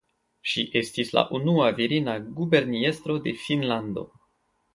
Ŝi estis la unua virina guberniestro de Finnlando.